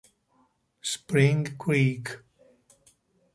Spring Creek